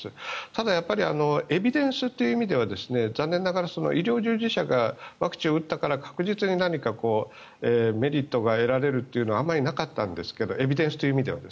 ただ、エビデンスという意味では残念ながら医療従事者がワクチンを打ったから確実に何かメリットが得られるというのはあまりなかったんですけどエビデンスという意味では。